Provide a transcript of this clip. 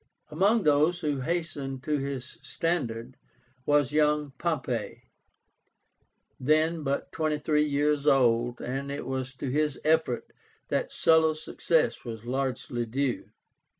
Among those who hastened to his standard was young POMPEY, then but twenty three years old, and it was to his efforts that Sulla's success was largely due.